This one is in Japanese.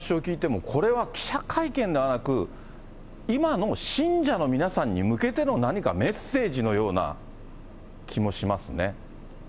ただやっぱり、エイトさん、今、有田さんのお話を聞いても、これは記者会見ではなく、今の信者の皆さんに向けての何かメッセージのような気もしますね。